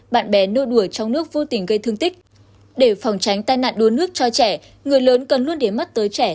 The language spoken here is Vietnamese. bạn bé nô đùa trong nước vô tình gây thương tích để phòng tránh tai nạn đua nước cho trẻ người lớn cần luôn để mắt tới trẻ